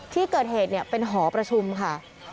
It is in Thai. ที่เกิดเหตุเป็นหอประชุมค่ะ